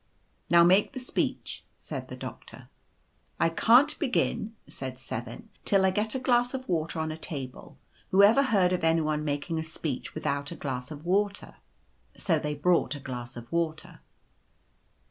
"' Now make the speech/ said the Doctor. cc c I can't begin / said 7, c till I get a glass of water on a table. Who ever heard of any one making a speech without a glass of water !'" So they brought a glass of water.